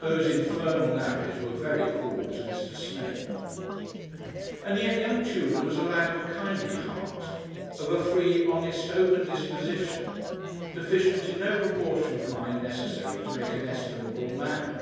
Those infernal navvies were very cruel to Mr. Snape. And yet young Tudor was a lad of a kindly heart, of a free, honest, open disposition, deficient in no proportion of mind necessary to make an estimable man.